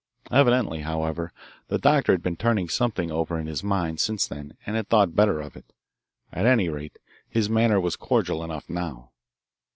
Evidently, however, the doctor had been turning something over in his mind since then and had thought better of it. At any rate, his manner was cordial enough now.